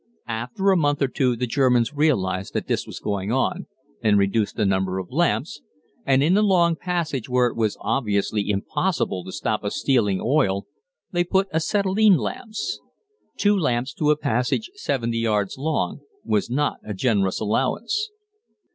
After a month or two the Germans realized that this was going on and reduced the number of lamps, and in the long passage where it was obviously impossible to stop us stealing oil they put acetylene lamps. Two lamps to a passage 70 yards long was not a generous allowance.